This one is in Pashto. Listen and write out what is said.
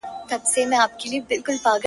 د ميني ننداره ده، د مذهب خبره نه ده